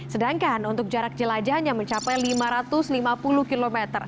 sedangkan untuk jarak jelajahnya mencapai lima ratus lima puluh km